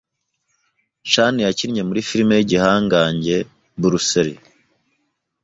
Chan yakinnye muri Film y’igihangage Bruce lee